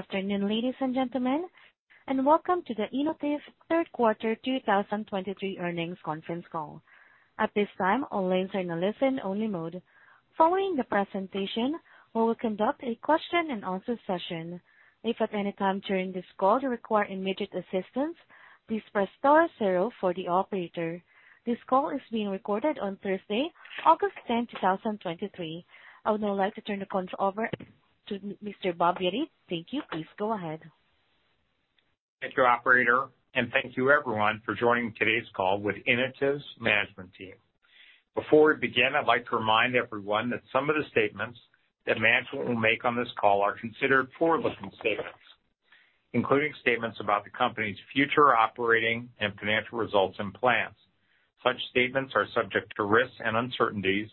Good afternoon, ladies and gentlemen, welcome to the Inotiv Third Quarter 2023 Earnings Conference Call. At this time, all lines are in a listen-only mode. Following the presentation, we will conduct a question-and-answer session. If, at any time during this call you require immediate assistance, please press star zero for the operator. This call is being recorded on Thursday, August 10, 2023. I would now like to turn the call over to Mr. Bob Yedid. Thank you. Please go ahead. Thank you, operator, thank you everyone for joining today's call with Inotiv's management team. Before we begin, I'd like to remind everyone that some of the statements that management will make on this call are considered forward-looking statements, including statements about the company's future operating and financial results and plans. Such statements are subject to risks and uncertainties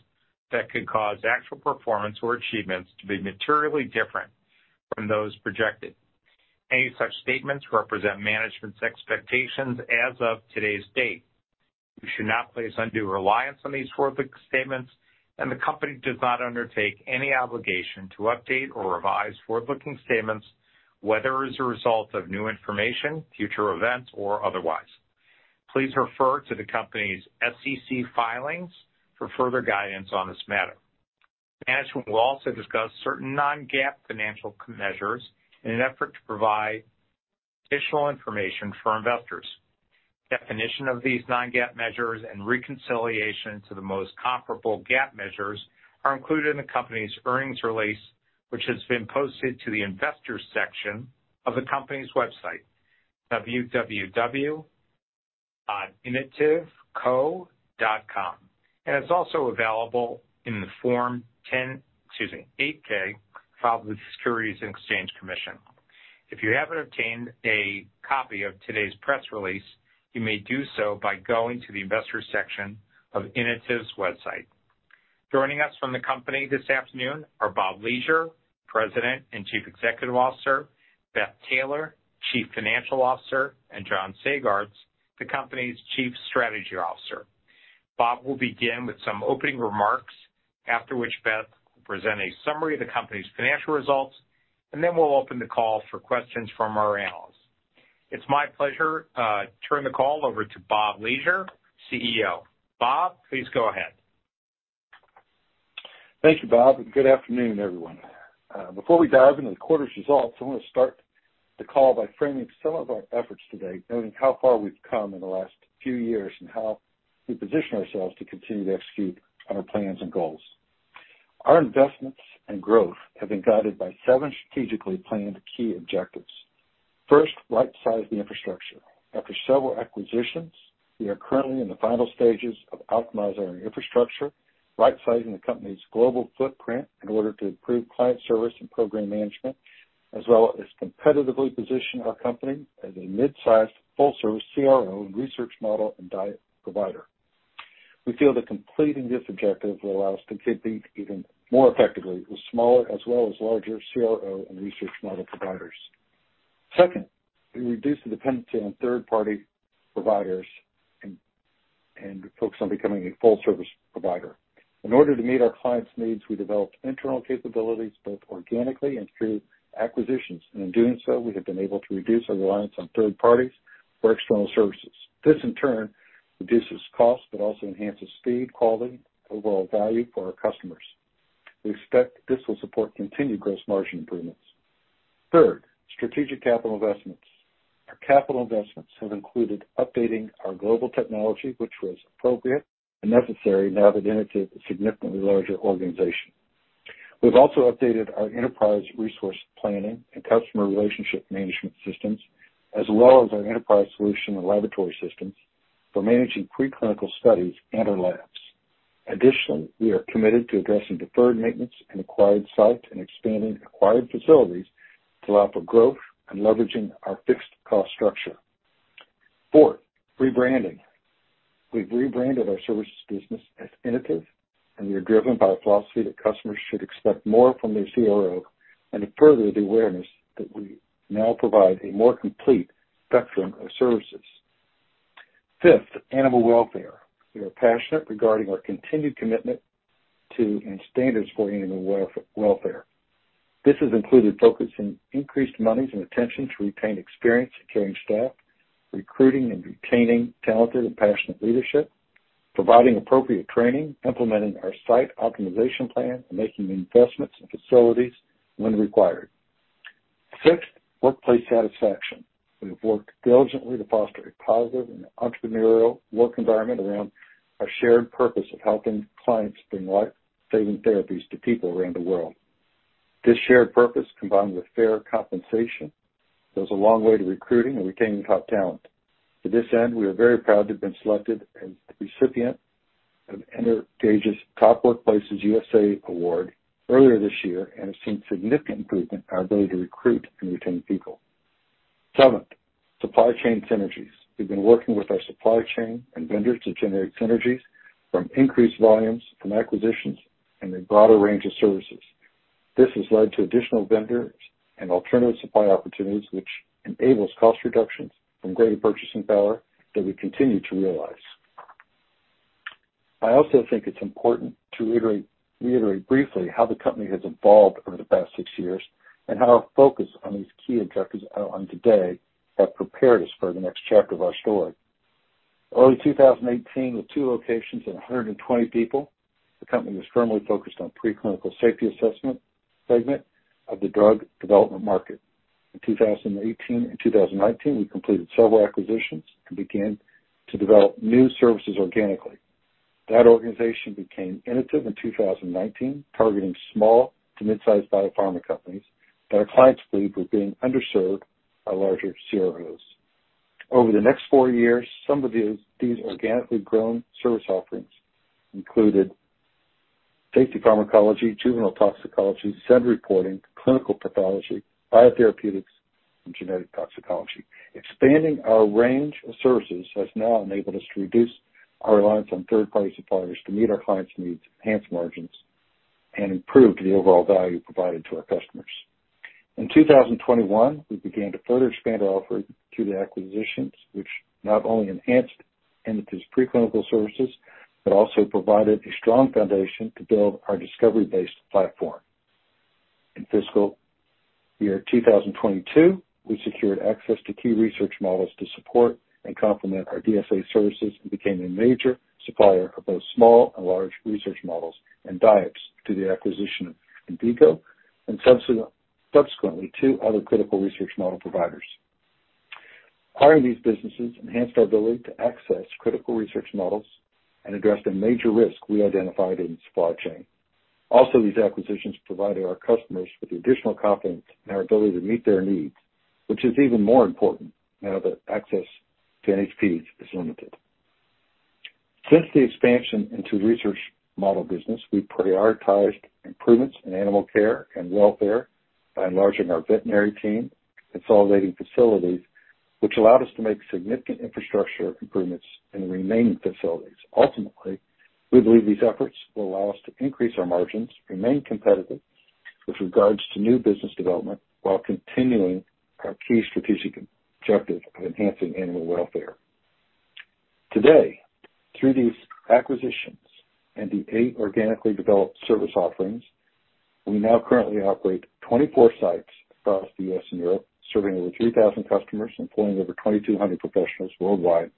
that could cause actual performance or achievements to be materially different from those projected. Any such statements represent management's expectations as of today's date. You should not place undue reliance on these forward-looking statements, and the company does not undertake any obligation to update or revise forward-looking statements, whether as a result of new information, future events, or otherwise. Please refer to the company's SEC filings for further guidance on this matter. Management will also discuss certain non-GAAP financial measures in an effort to provide additional information for investors. Definition of these non-GAAP measures and reconciliation to the most comparable GAAP measures are included in the company's earnings release, which has been posted to the Investors section of the company's website, www.inotivco.com, It's also available in the Form 8-K, filed with the Securities and Exchange Commission. If you haven't obtained a copy of today's press release, you may do so by going to the Investors section of Inotiv's website. Joining us from the company this afternoon are Bob Leasure, President and Chief Executive Officer; Beth Taylor, Chief Financial Officer; and John Sagartz, the company's Chief Strategy Officer. Bob will begin with some opening remarks, after which Beth will present a summary of the company's financial results, Then we'll open the call for questions from our analysts. It's my pleasure to turn the call over to Bob Leasure, CEO. Bob, please go ahead. Thank you, Bob, and good afternoon, everyone. Before we dive into the quarter's results, I want to start the call by framing some of our efforts today, noting how far we've come in the last few years and how we position ourselves to continue to execute on our plans and goals. Our investments and growth have been guided by seven strategically planned key objectives. First, rightsize the infrastructure. After several acquisitions, we are currently in the final stages of optimizing our infrastructure, rightsizing the company's global footprint in order to improve client service and program management, as well as competitively position our company as a mid-sized, full-service CRO research model and data provider. We feel that completing this objective will allow us to compete even more effectively with smaller as well as larger CRO and research model providers. Second, we reduce the dependency on third-party providers and focus on becoming a full-service provider. In order to meet our clients' needs, we developed internal capabilities, both organically and through acquisitions, and in doing so, we have been able to reduce our reliance on third parties for external services. This, in turn, reduces costs but also enhances speed, quality, overall value for our customers. We expect this will support continued gross margin improvements. Third, strategic capital investments. Our capital investments have included updating our global technology, which was appropriate and necessary now that Inotiv is a significantly larger organization. We've also updated our Enterprise Resource Planning and Customer Relationship Management systems, as well as our enterprise solution and laboratory systems for managing preclinical studies and our labs. Additionally, we are committed to addressing deferred maintenance and acquired sites and expanding acquired facilities to allow for growth and leveraging our fixed cost structure. Fourth, rebranding. We've rebranded our services business as Inotiv, and we are driven by a philosophy that customers should expect more from their CRO and to further the awareness that we now provide a more complete spectrum of services. Fifth, animal welfare. We are passionate regarding our continued commitment to and standards for animal welfare. This has included focusing increased monies and attention to retain experienced and caring staff, recruiting and retaining talented and passionate leadership, providing appropriate training, implementing our site optimization plan, and making investments in facilities when required. Sixth, workplace satisfaction. We have worked diligently to foster a positive and entrepreneurial work environment around our shared purpose of helping clients bring life-saving therapies to people around the world. This shared purpose, combined with fair compensation, goes a long way to recruiting and retaining top talent. To this end, we are very proud to have been selected as the recipient of Energage's Top Workplaces USA award earlier this year, and have seen significant improvement in our ability to recruit and retain people. Seventh, supply chain synergies. We've been working with our supply chain and vendors to generate synergies from increased volumes, from acquisitions, and a broader range of services. This has led to additional vendors and alternative supply opportunities, which enables cost reductions from greater purchasing power that we continue to realize. I also think it's important to iterate, reiterate briefly how the company has evolved over the past six years and how our focus on these key objectives, on today, have prepared us for the next chapter of our story. Early 2018, with two locations and 120 people, the company was firmly focused on preclinical safety assessment segment of the drug development market. In 2018 and 2019, we completed several acquisitions and began to develop new services organically. That organization became Inotiv in 2019, targeting small to mid-sized biopharma companies that our clients believed were being underserved by larger CROs. Over the next four years, some of these organically grown service offerings included safety pharmacology, juvenile toxicology, SEND reporting, clinical pathology, biotherapeutics, and genetic toxicology. Expanding our range of services has now enabled us to reduce our reliance on third-party suppliers to meet our clients' needs, enhance margins, and improve the overall value provided to our customers. In 2021, we began to further expand our offering through the acquisitions, which not only enhanced Inotiv's preclinical services, but also provided a strong foundation to build our discovery-based platform. In fiscal year 2022, we secured access to key research models to support and complement our DSA services and became a major supplier of both small and large research models and diets through the acquisition of Envigo, and subsequently, two other critical research model providers. Acquiring these businesses enhanced our ability to access critical research models and address the major risk we identified in the supply chain. These acquisitions provided our customers with additional confidence in our ability to meet their needs, which is even more important now that access to NHPs is limited. Since the expansion into research model business, we prioritized improvements in animal care and welfare by enlarging our veterinary team, consolidating facilities, which allowed us to make significant infrastructure improvements in the remaining facilities. Ultimately, we believe these efforts will allow us to increase our margins, remain competitive with regards to new business development, while continuing our key strategic objective of enhancing animal welfare. Today, through these acquisitions and the eight organically developed service offerings, we now currently operate 24 sites across the U.S. and Europe, serving over 3,000 customers, employing over 2,200 professionals worldwide,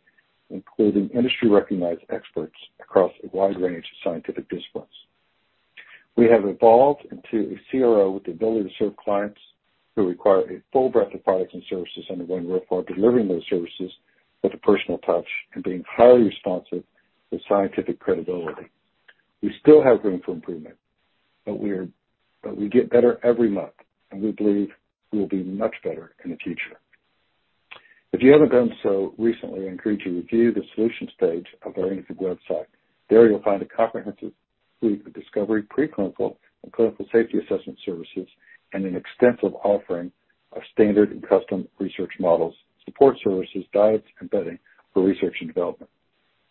including industry-recognized experts across a wide range of scientific disciplines. We have evolved into a CRO with the ability to serve clients who require a full breadth of products and services, and are going to work for delivering those services with a personal touch and being highly responsive with scientific credibility. We still have room for improvement, but we get better every month, and we believe we will be much better in the future. If you haven't done so recently, I encourage you to review the solutions page of our Inotiv website. There you'll find a comprehensive suite of discovery, preclinical, and clinical safety assessment services, and an extensive offering of standard and custom research models, support services, diets, and bedding for research and development.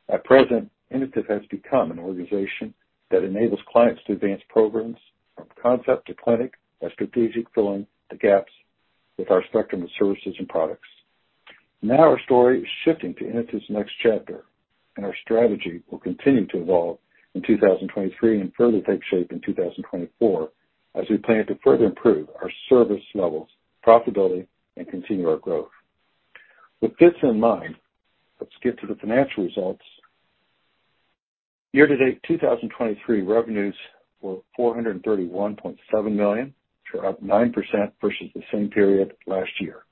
At present, Inotiv has become an organization that enables clients to advance programs from concept to clinic by strategically filling the gaps with our spectrum of services and products. Our story is shifting to Inotiv's next chapter, and our strategy will continue to evolve in 2023, and further take shape in 2024, as we plan to further improve our service levels, profitability, and continue our growth. With this in mind, let's get to the financial results. Year-to-date 2023 revenues were $431.7 million, which are up 9% versus the same period last year.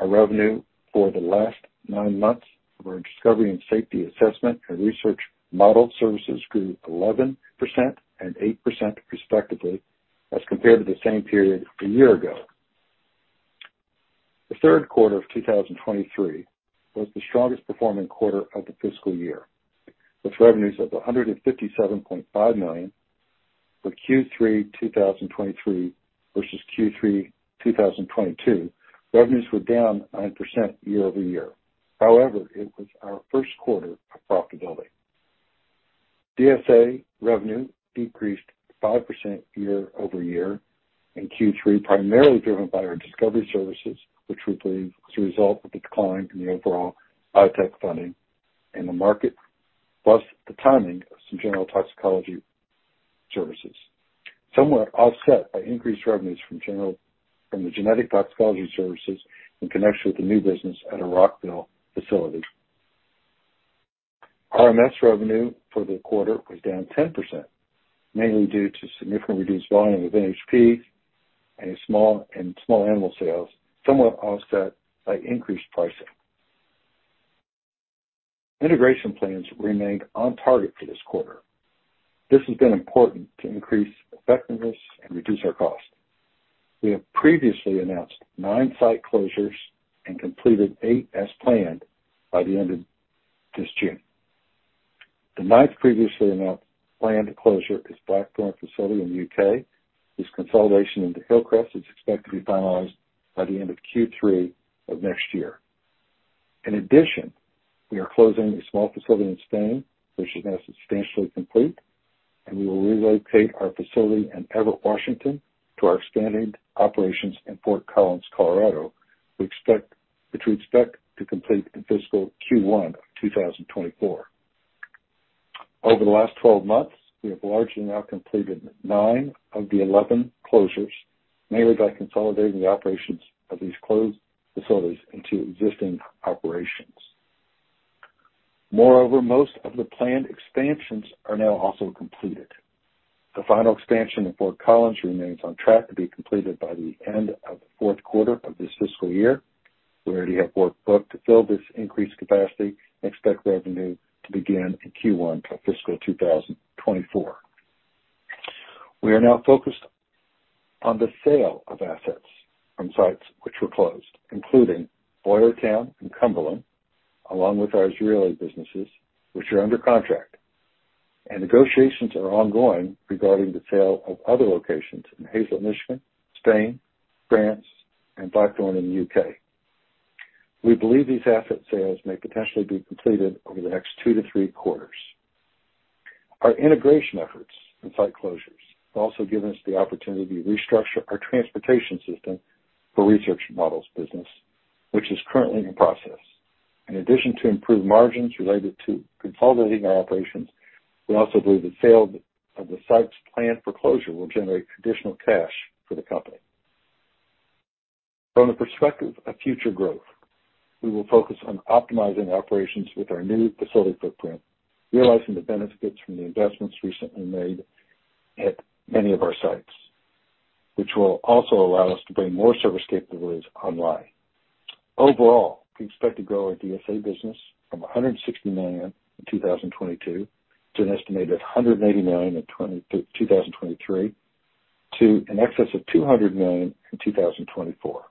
Our revenue for the last nine months for our discovery and safety assessment and research models and services grew 11% and 8% respectively, as compared to the same period a year ago. The third quarter of 2023 was the strongest performing quarter of the fiscal year, with revenues of $157.5 million. For Q3 2023 versus Q3 2022, revenues were down 9% year-over-year. However, it was our first quarter of profitability. DSA revenue decreased 5% year-over-year in Q3, primarily driven by our discovery services, which we believe is a result of the decline in the overall biotech funding in the market, plus the timing of some general toxicology services. Somewhat offset by increased revenues from general- from the genetic toxicology services in connection with the new business at our Rockville facility. RMS revenue for the quarter was down 10%, mainly due to significantly reduced volume of NHP and a small, and small animal sales, somewhat offset by increased pricing. Integration plans remained on target for this quarter. This has been important to increase effectiveness and reduce our costs. We have previously announced nine site closures and completed eight as planned by the end of this June. The ninth previously announced planned closure is Blackthorn facility in the U.K. This consolidation into Hillcrest is expected to be finalized by the end of Q3 of next year. In addition, we are closing a small facility in Spain, which is now substantially complete. We will relocate our facility in Everett, Washington, to our expanding operations in Fort Collins, Colorado, which we expect to complete in fiscal Q1 of 2024. Over the last 12 months, we have largely now completed nine of the 11 closures, mainly by consolidating the operations of these closed facilities into existing operations. Moreover, most of the planned expansions are now also completed. The final expansion in Fort Collins remains on track to be completed by the end of the fourth quarter of this fiscal year. We already have work booked to fill this increased capacity and expect revenue to begin in Q1 for fiscal 2024. We are now focused on the sale of assets from sites which were closed, including Boyertown and Cumberland, along with our Israeli businesses, which are under contract, and negotiations are ongoing regarding the sale of other locations in Haslett, Michigan, Spain, France, and Blackthorn in the U.K. We believe these asset sales may potentially be completed over the next two to three quarters. Our integration efforts and site closures have also given us the opportunity to restructure our transportation system for research models business, which is currently in process. In addition to improved margins related to consolidating our operations, we also believe the sale of the sites planned for closure will generate additional cash for the company. From the perspective of future growth, we will focus on optimizing operations with our new facility footprint, realizing the benefits from the investments recently made at many of our sites, which will also allow us to bring more service capabilities online. Overall, we expect to grow our DSA business from $160 million in 2022 to an estimated $180 million in 2023, to an excess of $200 million in 2024.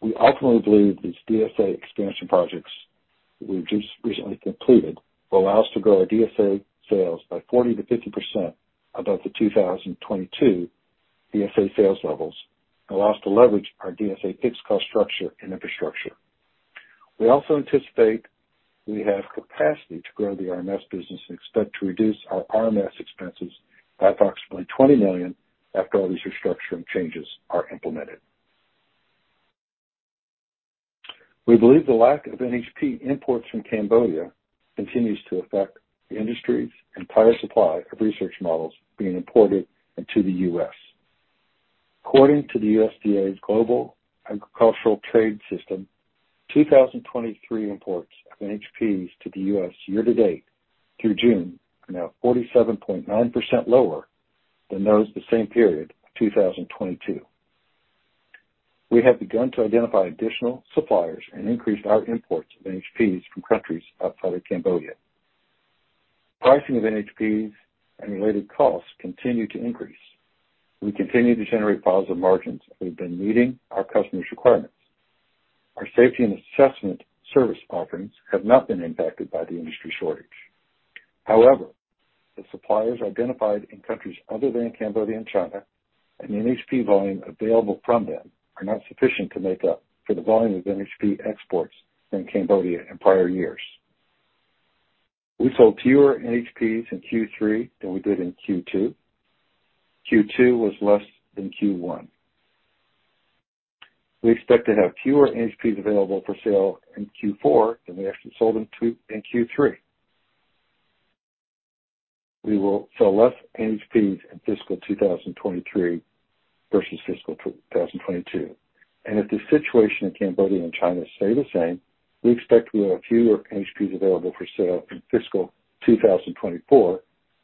We ultimately believe these DSA expansion projects we've just recently completed, will allow us to grow our DSA sales by 40%-50% above the 2022 DSA sales levels, allow us to leverage our DSA fixed cost structure and infrastructure. We also anticipate we have capacity to grow the RMS business and expect to reduce our RMS expenses by approximately $20 million after all these restructuring changes are implemented. We believe the lack of NHP imports from Cambodia continues to affect the industry's entire supply of research models being imported into the U.S. According to the USDA's Global Agricultural Trade System, 2023 imports of NHPs to the U.S. year to date through June, are now 47.9% lower than those the same period of 2022. We have begun to identify additional suppliers and increased our imports of NHPs from countries outside of Cambodia. Pricing of NHPs and related costs continue to increase. We continue to generate positive margins and we've been meeting our customers' requirements. Our safety and assessment service offerings have not been impacted by the industry shortage. The suppliers identified in countries other than Cambodia and China, and the NHP volume available from them, are not sufficient to make up for the volume of NHP exports in Cambodia in prior years. We sold fewer NHPs in Q3 than we did in Q2. Q2 was less than Q1. We expect to have fewer NHPs available for sale in Q4 than we actually sold in Q3. We will sell less NHPs in fiscal 2023 versus fiscal 2022, and if the situation in Cambodia and China stay the same, we expect we will have fewer NHPs available for sale in fiscal 2024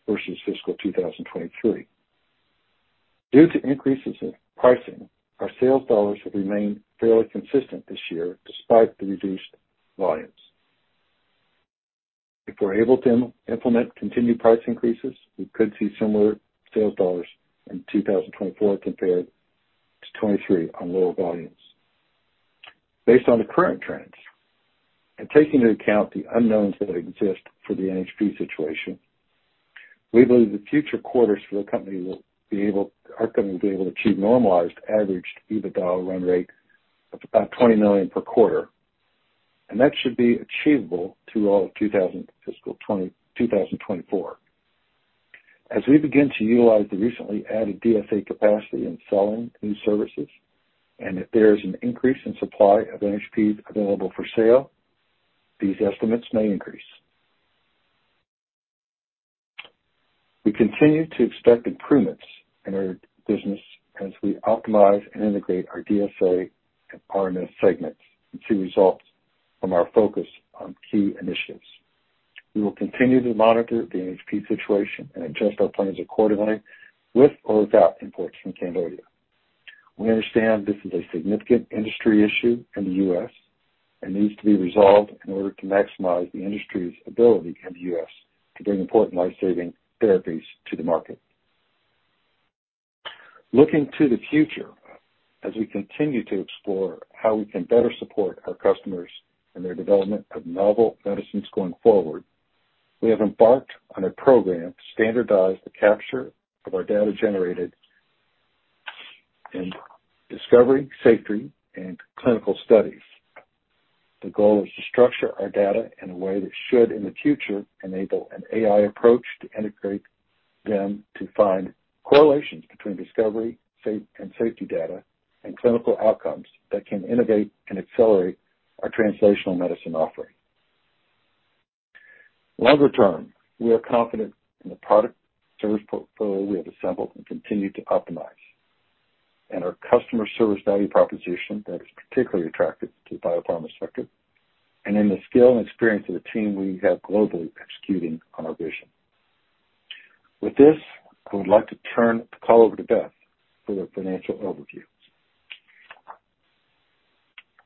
versus fiscal 2023. Due to increases in pricing, our sales dollars have remained fairly consistent this year, despite the reduced volumes. If we're able to implement continued price increases, we could see similar sales dollars in 2024 compared to 2023 on lower volumes. Based on the current trends, taking into account the unknowns that exist for the NHP situation, we believe the future quarters for the company will be able our company will be able to achieve normalized averaged EBITDA run rate of about $20 million per quarter, and that should be achievable through all fiscal 2024. As we begin to utilize the recently added DSA capacity and selling new services, if there is an increase in supply of NHPs available for sale, these estimates may increase. We continue to expect improvements in our business as we optimize and integrate our DSA and RMS segments and see results from our focus on key initiatives. We will continue to monitor the NHP situation and adjust our plans accordingly, with or without imports from Cambodia. We understand this is a significant industry issue in the U.S. and needs to be resolved in order to maximize the industry's ability in the U.S. to bring important life-saving therapies to the market. Looking to the future, as we continue to explore how we can better support our customers in their development of novel medicines going forward, we have embarked on a program to standardize the capture of our data generated in discovery, safety, and clinical studies. The goal is to structure our data in a way that should, in the future, enable an AI approach to integrate them to find correlations between discovery and safety data and clinical outcomes that can innovate and accelerate our translational medicine offering. Longer term, we are confident in the product service portfolio we have assembled and continue to optimize, and our customer service value proposition that is particularly attractive to the biopharma sector, and in the skill and experience of the team we have globally executing on our vision. With this, I would like to turn the call over to Beth for the financial overview.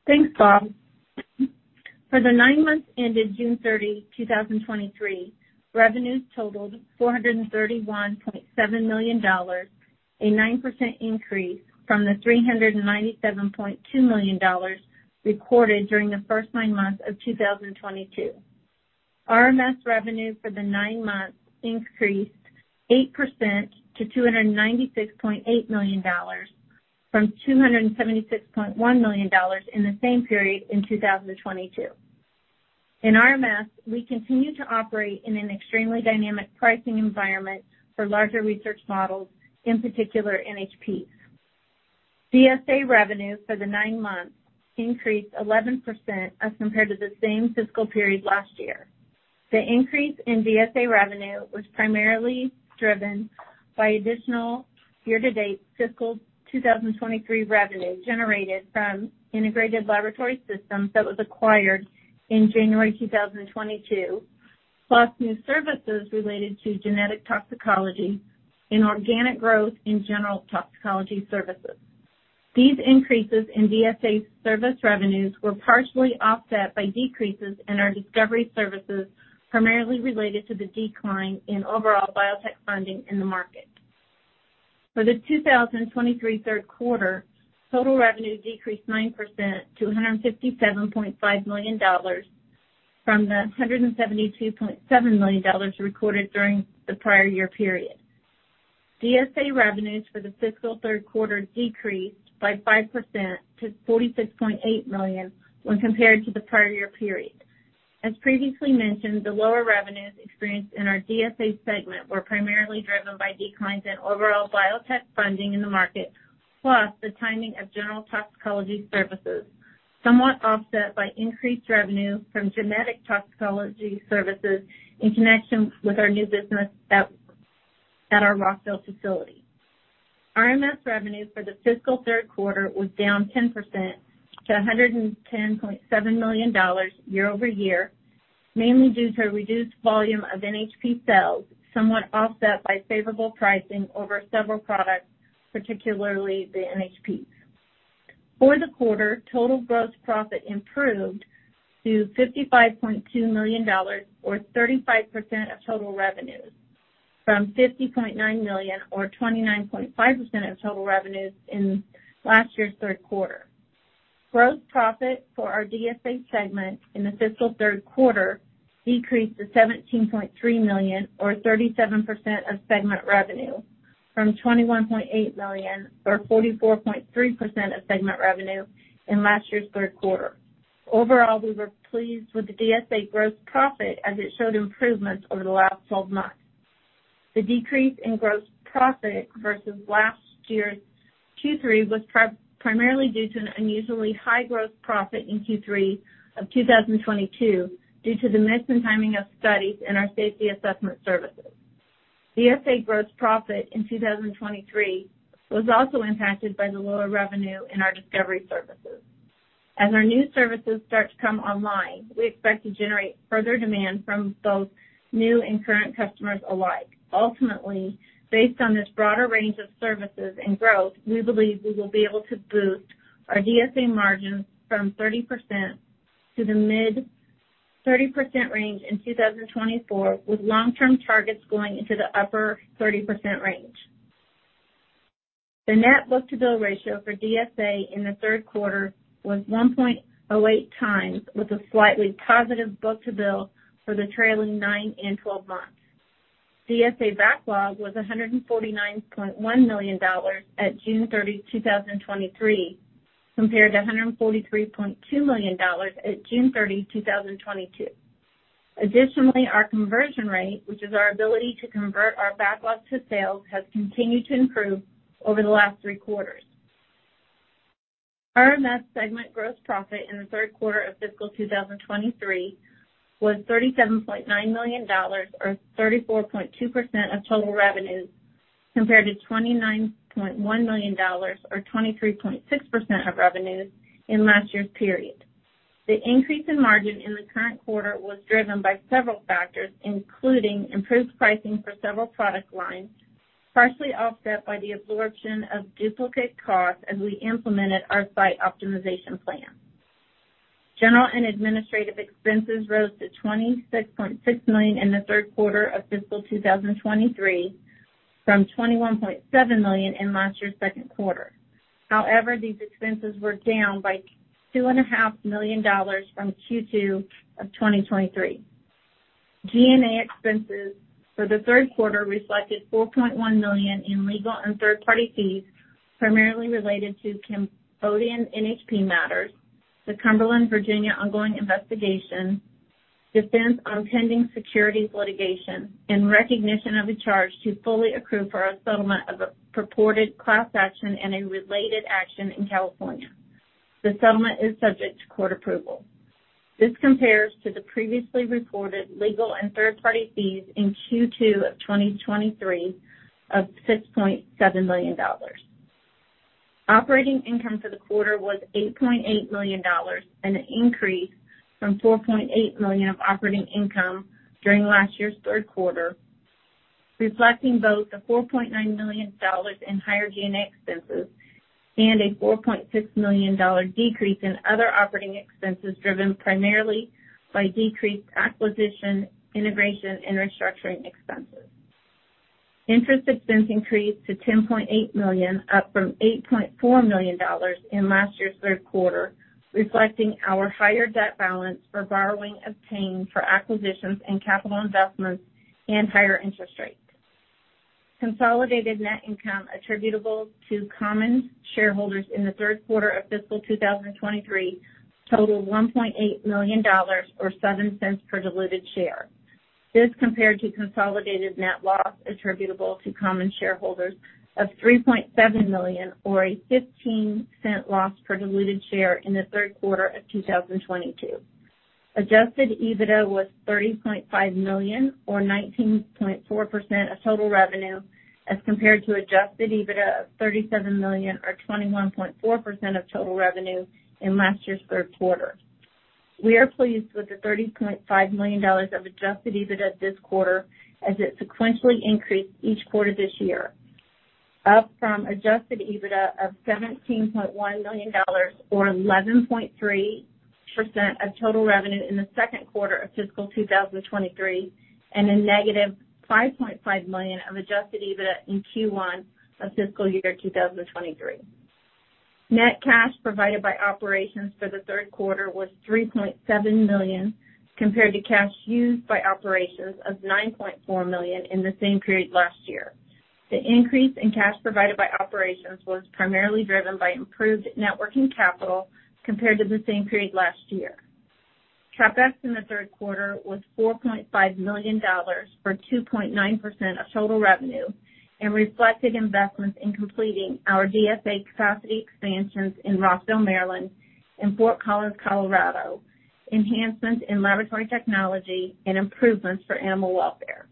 Thanks, Bob. For the nine months ended June 30, 2023, revenues totaled $431.7 million, a 9% increase from the $397.2 million recorded during the first nine months of 2022. RMS revenue for the nine months increased 8% to $296.8 million, from $276.1 million in the same period in 2022. In RMS, we continue to operate in an extremely dynamic pricing environment for larger research models, in particular, NHPs. DSA revenue for the nine months increased 11% as compared to the same fiscal period last year. The increase in DSA revenue was primarily driven by additional year-to-date fiscal 2023 revenue generated from Integrated Laboratory Systems that was acquired in January 2022, plus new services related to genetic toxicology and organic growth in general toxicology services. These increases in DSA service revenues were partially offset by decreases in our discovery services, primarily related to the decline in overall biotech funding in the market. For the 2023 third quarter, total revenue decreased 9% to $157.5 million from the $172.7 million recorded during the prior year period. DSA revenues for the fiscal third quarter decreased by 5% to $46.8 million when compared to the prior year period. As previously mentioned, the lower revenues experienced in our DSA segment were primarily driven by declines in overall biotech funding in the market, plus the timing of general toxicology services, somewhat offset by increased revenue from genetic toxicology services in connection with our new business at our Rockville facility. RMS revenue for the fiscal third quarter was down 10% to $110.7 million year-over-year, mainly due to a reduced volume of NHP sales, somewhat offset by favorable pricing over several products, particularly the NHPs. For the quarter, total gross profit improved to $55.2 million, or 35% of total revenues, from $50.9 million, or 29.5% of total revenues in last year's third quarter. Gross profit for our DSA segment in the fiscal third quarter decreased to $17.3 million, or 37% of segment revenue, from $21.8 million, or 44.3% of segment revenue in last year's third quarter. Overall, we were pleased with the DSA gross profit as it showed improvements over the last 12 months. The decrease in gross profit versus last year's Q3 was primarily due to an unusually high gross profit in Q3 of 2022, due to the mix and timing of studies in our safety assessment services. DSA gross profit in 2023 was also impacted by the lower revenue in our discovery services. As our new services start to come online, we expect to generate further demand from both new and current customers alike. Ultimately, based on this broader range of services and growth, we believe we will be able to boost our DSA margins from 30% to the mid-30% range in 2024, with long-term targets going into the upper 30% range. The net book-to-bill ratio for DSA in the third quarter was 1.08x, with a slightly positive book-to-bill for the trailing nine and 12 months. DSA backlog was $149.1 million at June 30, 2023, compared to $143.2 million at June 30, 2022. Additionally, our conversion rate, which is our ability to convert our backlog to sales, has continued to improve over the last three quarters. RMS segment gross profit in the third quarter of fiscal 2023 was $37.9 million, or 34.2% of total revenues, compared to $29.1 million, or 23.6% of revenues in last year's period. The increase in margin in the current quarter was driven by several factors, including improved pricing for several product lines, partially offset by the absorption of duplicate costs as we implemented our site optimization plan. General and administrative expenses rose to $26.6 million in the third quarter of fiscal 2023, from $21.7 million in last year's second quarter. However, these expenses were down by $2.5 million from Q2 of 2023. G&A expenses for the third quarter reflected $4.1 million in legal and third-party fees, primarily related to Cambodian NHP matters, the Cumberland, Virginia, ongoing investigation, defense on pending securities litigation, and recognition of a charge to fully accrue for a settlement of a purported class action and a related action in California. The settlement is subject to court approval. This compares to the previously reported legal and third-party fees in Q2 of 2023 of $6.7 million. Operating income for the quarter was $8.8 million, an increase from $4.8 million of operating income during last year's third quarter, reflecting both the $4.9 million in higher G&A expenses and a $4.6 million decrease in other operating expenses, driven primarily by decreased acquisition, integration, and restructuring expenses. Interest expense increased to $10.8 million, up from $8.4 million in last year's third quarter, reflecting our higher debt balance for borrowing obtained for acquisitions and capital investments and higher interest rates. Consolidated net income attributable to common shareholders in the third quarter of fiscal 2023 totaled $1.8 million, or $0.07 per diluted share. This compared to consolidated net loss attributable to common shareholders of $3.7 million, or a $0.15 loss per diluted share in the third quarter of 2022. Adjusted EBITDA was $30.5 million, or 19.4% of total revenue, as compared to adjusted EBITDA of $37 million, or 21.4% of total revenue in last year's third quarter. We are pleased with the $30.5 million of adjusted EBITDA this quarter, as it sequentially increased each quarter this year, up from adjusted EBITDA of $17.1 million, or 11.3% of total revenue in the second quarter of fiscal 2023, and a -$5.5 million of adjusted EBITDA in Q1 of fiscal year 2023. Net cash provided by operations for the third quarter was $3.7 million, compared to cash used by operations of $9.4 million in the same period last year. The increase in cash provided by operations was primarily driven by improved net working capital compared to the same period last year. CapEx in the third quarter was $4.5 million, or 2.9% of total revenue, and reflected investments in completing our DSA capacity expansions in Rockville, Maryland, and Fort Collins, Colorado, enhancements in laboratory technology, and improvements for animal welfare.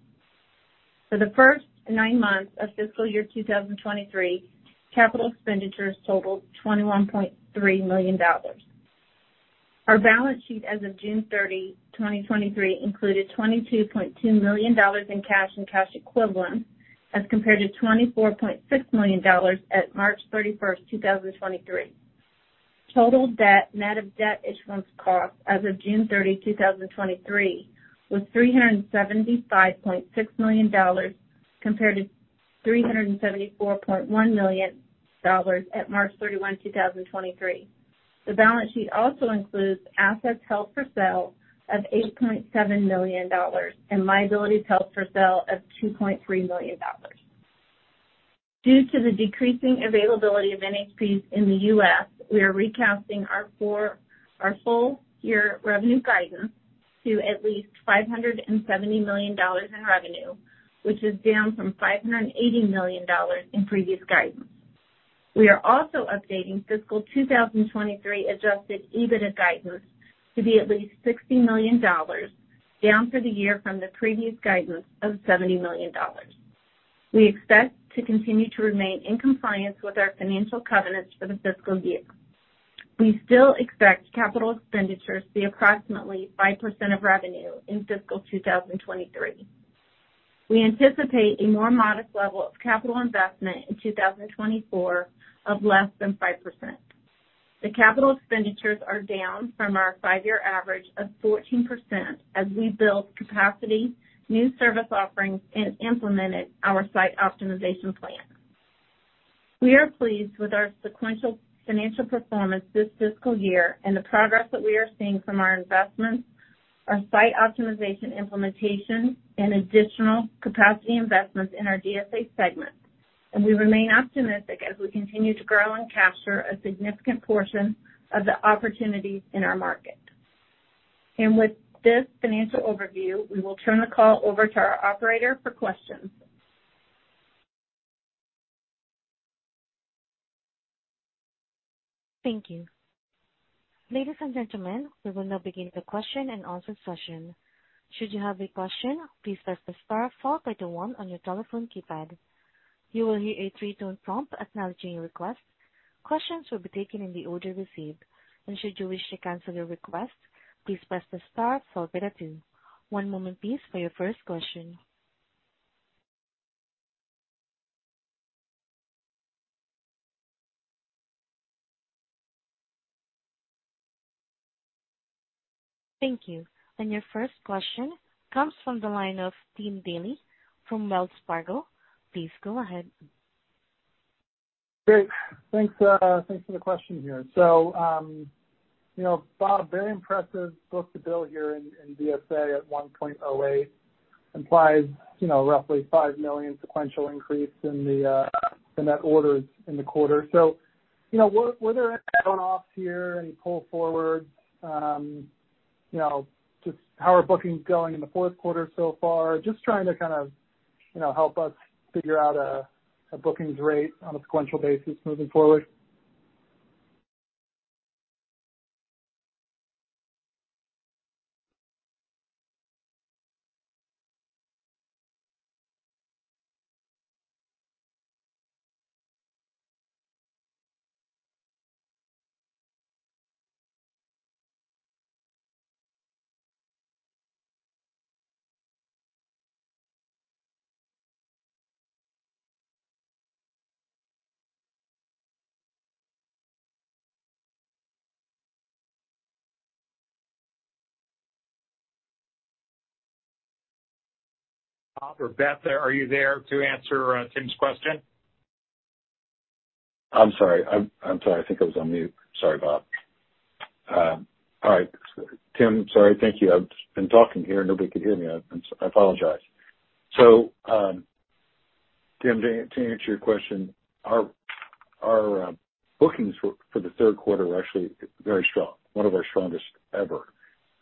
For the first nine months of fiscal year 2023, capital expenditures totaled $21.3 million. Our balance sheet as of June 30, 2023, included $22.2 million in cash and cash equivalents, as compared to $24.6 million at March 31st, 2023. Total debt, net of debt issuance costs as of June 30, 2023, was $375.6 million, compared to $374.1 million at March 31, 2023. The balance sheet also includes assets held for sale of $8.7 million and liabilities held for sale of $2.3 million. Due to the decreasing availability of NHPs in the U.S., we are recasting our full-year revenue guidance to at least $570 million in revenue, which is down from $580 million in previous guidance. We are also updating fiscal 2023 adjusted EBITDA guidance to be at least $60 million, down for the year from the previous guidance of $70 million. We expect to continue to remain in compliance with our financial covenants for the fiscal year. We still expect capital expenditures to be approximately 5% of revenue in fiscal 2023. We anticipate a more modest level of capital investment in 2024 of less than 5%. The capital expenditures are down from our five-year average of 14% as we build capacity, new service offerings, and implemented our site optimization plan. We are pleased with our sequential financial performance this fiscal year and the progress that we are seeing from our investments, our site optimization implementation, and additional capacity investments in our DSA segment. We remain optimistic as we continue to grow and capture a significant portion of the opportunities in our market. With this financial overview, we will turn the call over to our operator for questions. Thank you. Ladies and gentlemen, we will now begin the question-and-answer session. Should you have a question, please press the star followed by the one on your telephone keypad. You will hear a three-tone prompt acknowledging your request. Questions will be taken in the order received, and should you wish to cancel your request, please press the star followed by the two. One moment, please, for your first question. Thank you, your first question comes from the line of Tim Daley from Wells Fargo. Please go ahead. Great. Thanks, thanks for the question here. You know, Bob, very impressive book-to-bill here in, in DSA at 1.08 implies, you know, roughly $5 million sequential increase in the, in net orders in the quarter. You know, were, were there offsets or pull-forwards? You know, just how are bookings going in the fourth quarter so far? Just trying to kind of, you know, help us figure out a, a bookings rate on a sequential basis moving forward. Bob or Beth, are you there to answer Tim's question? I'm sorry. I'm sorry, I think I was on mute. Sorry, Bob. All right, Tim, sorry. Thank you. I've been talking here, and nobody could hear me. I apologize. Tim, to answer your question, our bookings for the third quarter were actually very strong, one of our strongest ever.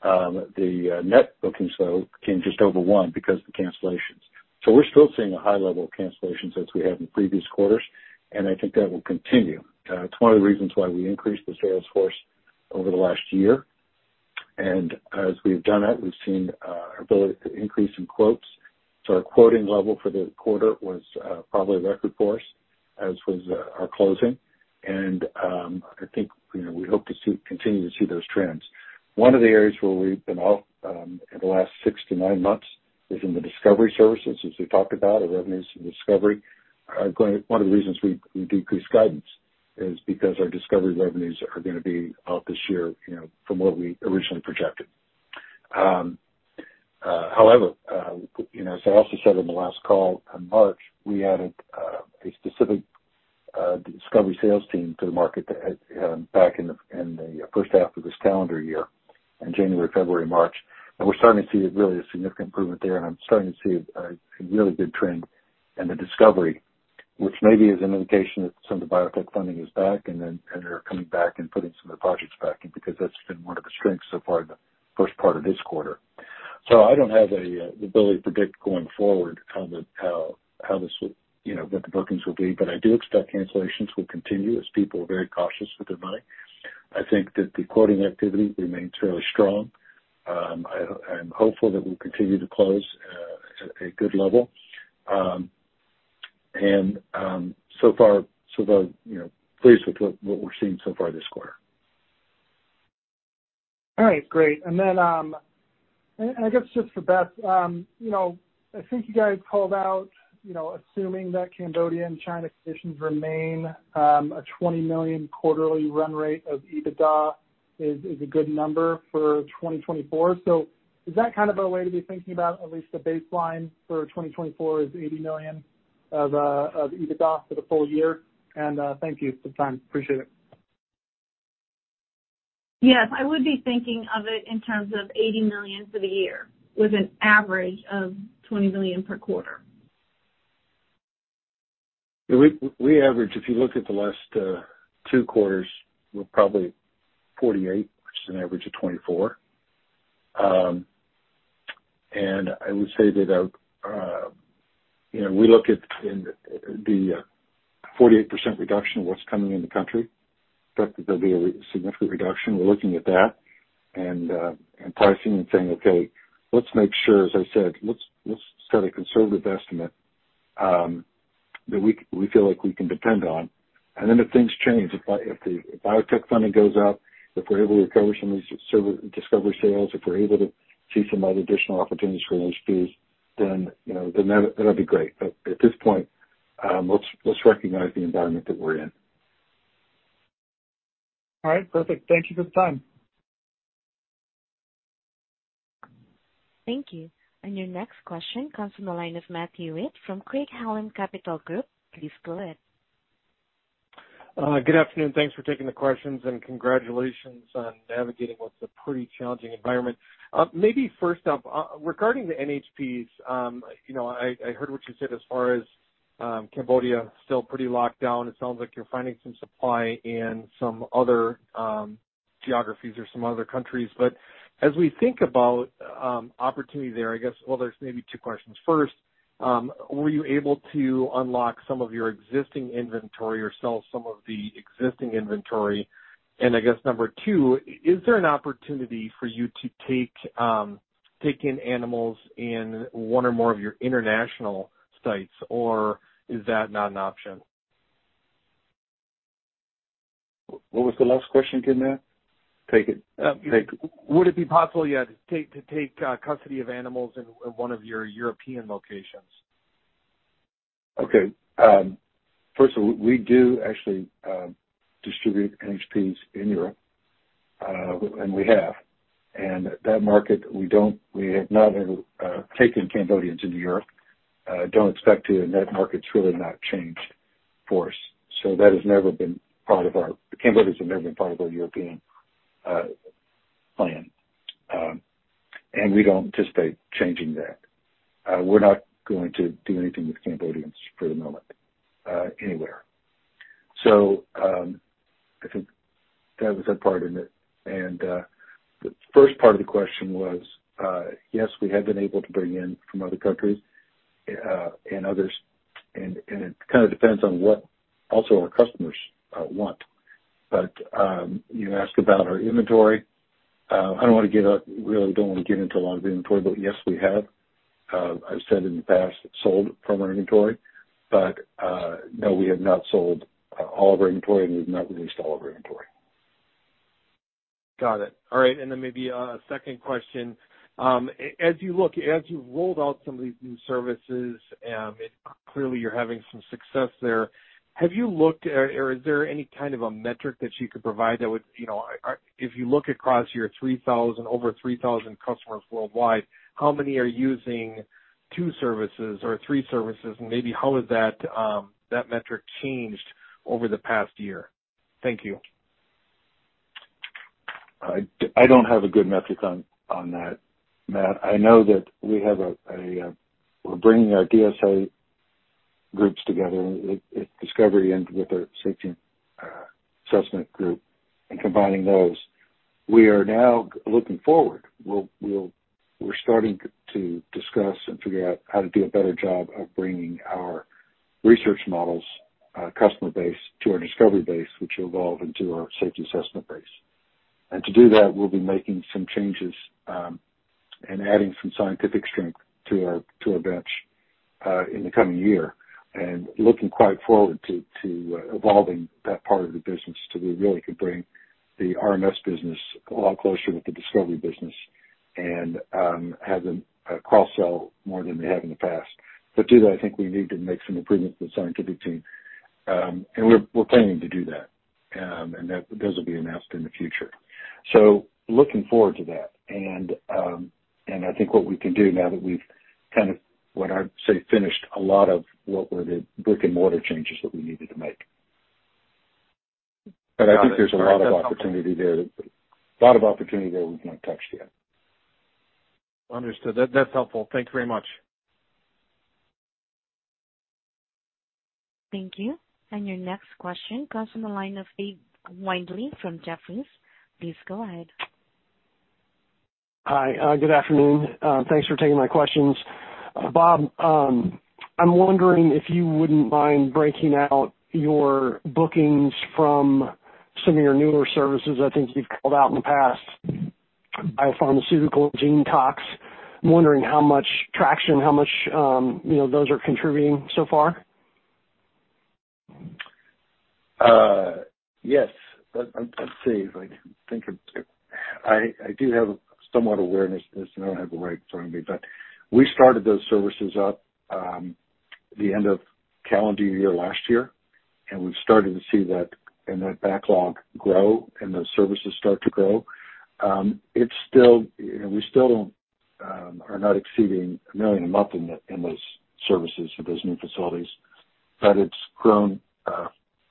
The net bookings, though, came just over one because of the cancellations. We're still seeing a high level of cancellations as we had in previous quarters, and I think that will continue. It's one of the reasons why we increased the sales force over the last year. As we've done that, we've seen our ability to increase in quotes. Our quoting level for the quarter was probably a record for us, as was our closing. I think, you know, we hope to continue to see those trends. One of the areas where we've been off, in the last six to nine months, is in the discovery services, as we talked about, our revenues from discovery. One of the reasons we, we decreased guidance is because our discovery revenues are gonna be off this year, you know, from what we originally projected. However, you know, as I also said on the last call in March, we added a specific discovery sales team to the market back in the first half of this calendar year, in January, February, March. We're starting to see really a significant improvement there, and I'm starting to see a really good trend in the discovery. Which maybe is an indication that some of the biotech funding is back, and then, and they're coming back and putting some of the projects back in, because that's been one of the strengths so far in the first part of this quarter. I don't have a, the ability to predict going forward, how, how this will, you know, what the bookings will be, but I do expect cancellations will continue as people are very cautious with their money. I think that the quoting activity remains fairly strong. I, I'm hopeful that we'll continue to close, at a good level. And, so far, so though, you know, pleased with what, what we're seeing so far this quarter. All right, great. I guess just for Beth, you know, I think you guys called out, you know, assuming that Cambodia and China conditions remain, a $20 million quarterly run rate of EBITDA is a good number for 2024. Is that kind of a way to be thinking about at least a baseline for 2024 is $80 million of EBITDA for the full year? Thank you for the time. Appreciate it. Yes, I would be thinking of it in terms of $80 million for the year, with an average of $20 million per quarter. We average, if you look at the last, two quarters, we're probably 48, which is an average of 24. I would say that, you know, we look at in the 48% reduction of what's coming in the country, expect that there'll be a significant reduction. We're looking at that and pricing and saying, "Okay, let's make sure, as I said, let's set a conservative estimate, that we feel like we can depend on." If things change, if the biotech funding goes up, if we're able to recover some of these discovery sales, if we're able to see some other additional opportunities for NHPs, then, you know, that'd be great. At this point, let's recognize the environment that we're in. All right. Perfect. Thank you for the time. Thank you. Your next question comes from the line of Matthew Hewitt from Craig-Hallum Capital Group. Please go ahead. Good afternoon. Thanks for taking the questions, and congratulations on navigating what's a pretty challenging environment. Maybe first up, regarding the NHPs, you know, I, I heard what you said as far as Cambodia, still pretty locked down. It sounds like you're finding some supply in some other geographies or some other countries. As we think about opportunity there, I guess... Well, there's maybe two questions. First, were you able to unlock some of your existing inventory or sell some of the existing inventory? I guess number two, is there an opportunity for you to take in animals in one or more of your international sites, or is that not an option? What was the last question again there? Take it. Would it be possible, yeah, to take, to take, custody of animals in, in one of your European locations? Okay. First of all, we do actually distribute NHPs in Europe, and we have. That market, we don't, we have not taken Cambodians into Europe, don't expect to, and that market's really not changed for us. Cambodians have never been part of our European plan. We don't anticipate changing that. We're not going to do anything with Cambodians for the moment anywhere. I think that was a part in it. The first part of the question was, yes, we have been able to bring in from other countries and others, and it kind of depends on what also our customers want. You asked about our inventory. I don't wanna give up, really don't want to get into a lot of the inventory, but yes, we have, I've said in the past, sold from our inventory, but, no, we have not sold all of our inventory, and we've not released all of our inventory. Got it. All right. Maybe a second question. As you look, as you've rolled out some of these new services, clearly you're having some success there, have you looked or, or is there any kind of a metric that you could provide that would, you know, if you look across your 3,000, over 3,000 customers worldwide, how many are using two services or three services? Maybe how has that, that metric changed over the past year? Thank you. I don't have a good metric on, on that, Matt. I know that we have a, we're bringing our DSA groups together, discovery, and with our safety assessment group, and combining those. We are now looking forward. We're starting to discuss and figure out how to do a better job of bringing our research models customer base to our discovery base, which will evolve into our safety assessment base. To do that, we'll be making some changes and adding some scientific strength to our, to our bench in the coming year. Looking quite forward to evolving that part of the business, so we really could bring the RMS business a lot closer with the discovery business and have them cross-sell more than they have in the past. To do that, I think we need to make some improvements to the scientific team. We're, we're planning to do that, and that, those will be announced in the future. Looking forward to that, and, and I think what we can do now that we've kind of, what I'd say, finished a lot of what were the brick-and-mortar changes that we needed to make. Got it. I think there's a lot of opportunity there, lot of opportunity there we've not touched yet. Understood. That's helpful. Thank you very much. Thank you. Your next question comes from the line of Dave Windley from Jefferies. Please go ahead. Hi, good afternoon. Thanks for taking my questions. Bob, I'm wondering if you wouldn't mind breaking out your bookings from some of your newer services. I think you've called out in the past, biopharmaceutical and genetic toxicology. I'm wondering how much traction, how much, you know, those are contributing so far? Yes. Let's see. If I can think of. I, I do have somewhat awareness of this. I don't have the right in front of me, but we started those services up, the end of calendar year, last year, and we've started to see that and that backlog grow and those services start to grow. It's still, we still, are not exceeding $1 million a month in the, in those services for those new facilities, but it's grown,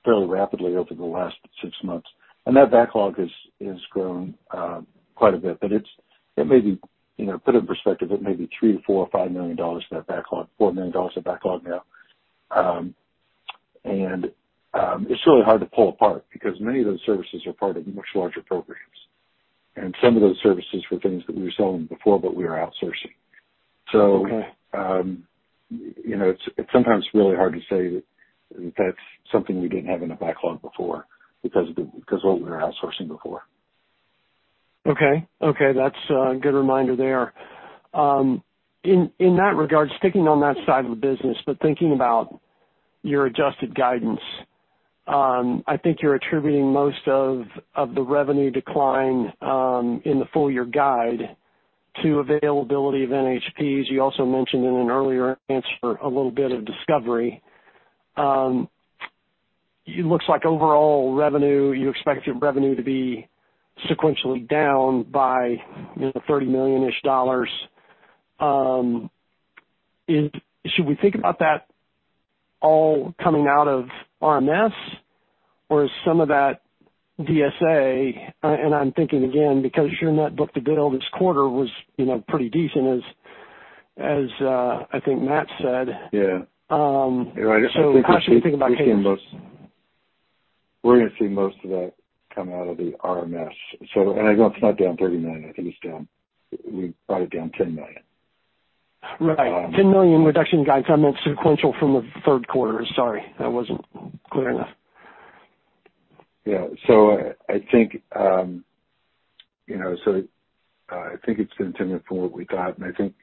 fairly rapidly over the last six months. That backlog has, is grown, quite a bit, but it may be, you know, put in perspective, it may be $3 million or $4 million or $5 million, that backlog, $4 million of backlog now. It's really hard to pull apart because many of those services are part of much larger programs, and some of those services were things that we were selling before, but we were outsourcing. Okay. You know, it's, it's sometimes really hard to say that, that's something we didn't have in the backlog before because what we were outsourcing before. Okay. Okay, that's a good reminder there. In that regard, sticking on that side of the business, but thinking about your adjusted guidance, I think you're attributing most of the revenue decline in the full year guide to availability of NHPs. You also mentioned in an earlier answer, a little bit of discovery. It looks like overall revenue, you expect your revenue to be sequentially down by, you know, $30 million-ish. Should we think about that all coming out of RMS or is some of that DSA? I'm thinking again, because your net book-to-bill this quarter was, you know, pretty decent, as, as, I think Matt said. Yeah. How should we think about this? We're gonna see most of that come out of the RMS. I know it's not down $30 million, I think it's down, we brought it down $10 million. Right. Um- $10 million reduction in guidance, I meant sequential from the third quarter. Sorry, I wasn't clear enough. Yeah. I think, you know, I think it's been $10 million from what we got, and I think,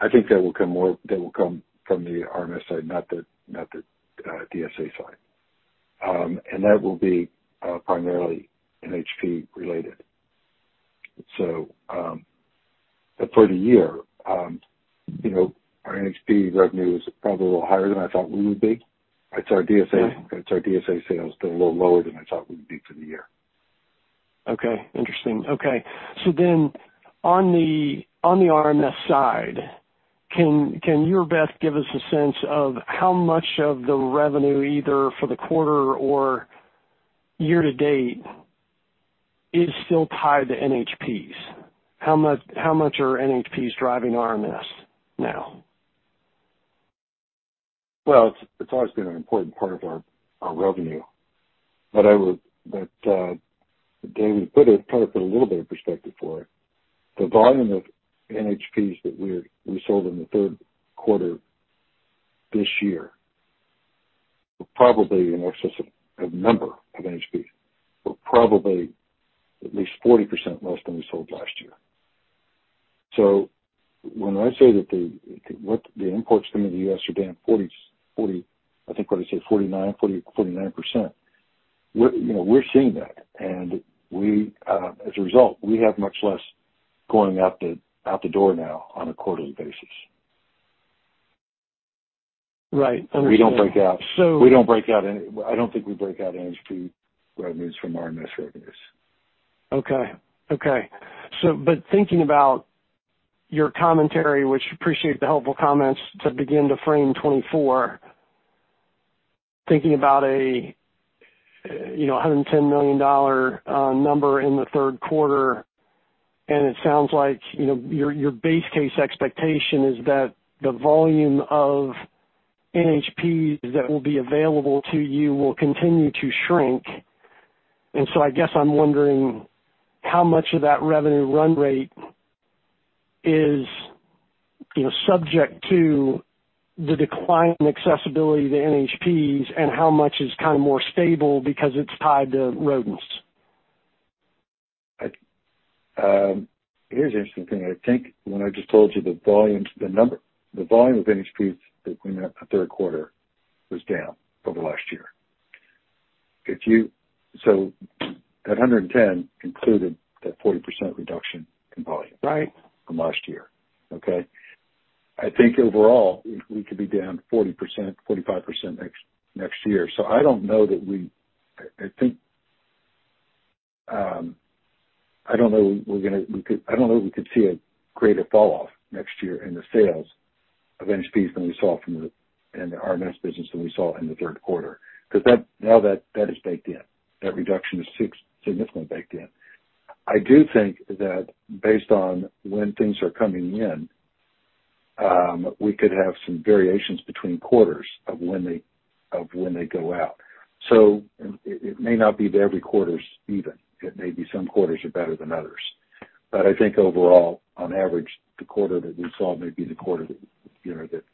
I think that will come more, that will come from the RMS side, not the, not the DSA side. And that will be primarily NHP related. For the year, you know, our NHP revenue is probably a little higher than I thought we would be. It's our DSA, it's our DSA sales that are a little lower than I thought we'd be for the year. Okay. Interesting. Okay. Then on the, on the RMS side, can, can you, Beth, give us a sense of how much of the revenue, either for the quarter or year to date, is still tied to NHPs? How much, how much are NHPs driving RMS now? Well, it's, it's always been an important part of our, our revenue. I would, Dave, put it, kind of put a little bit of perspective for it. The volume of NHPs that we sold in the third quarter this year, were probably in excess of number of NHPs, were probably at least 40% less than we sold last year. When I say that what the imports coming to the U.S. are down 40%, 40%, I think what I said, 49%, 40%, 49%. We're, you know, we're seeing that, and we, as a result, we have much less going out the door now on a quarterly basis. Right. We don't break out. So- I don't think we break out NHP revenues from RMS revenues. Okay. Okay. Thinking about your commentary, which appreciate the helpful comments to begin to frame 2024, thinking about a, you know, $110 million number in the third quarter, and it sounds like, you know, your, your base case expectation is that the volume of NHPs that will be available to you will continue to shrink. I guess I'm wondering how much of that revenue run rate is, you know, subject to the decline in accessibility to NHPs and how much is kind of more stable because it's tied to rodents? I, here's the interesting thing. I think when I just told you the volumes, the number, the volume of NHPs that went up the third quarter was down from last year. That 110 included that 40% reduction in volume. Right. From last year. Okay? I think overall, we, we could be down 40%, 45% next year. I don't know that we... I, I think, I don't know we're gonna, we could, I don't know if we could see a greater falloff next year in the sales of NHPs than we saw in the RMS business than we saw in the third quarter. Because that, now that is baked in. That reduction is significantly baked in. I do think that based on when things are coming in, we could have some variations between quarters of when they go out. It may not be every quarter's even, it may be some quarters are better than others. I think overall, on average, the quarter that we saw may be the quarter that, you know, that